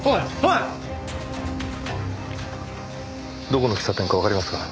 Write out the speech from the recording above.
どこの喫茶店かわかりますか？